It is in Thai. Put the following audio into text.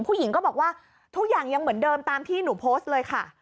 ผู้หญิงก็บอกว่าทุกอย่างยังเหมือนเดิมตามที่หนูโพสต์เลยค่ะ